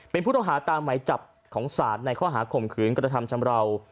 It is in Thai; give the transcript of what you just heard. เป็นผู้ต้องหาตามไว้จับของศาสตร์ในข้อหาข่มขืนกฎธรรมชำราว